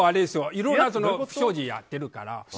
いろんな不祥事をやってるから。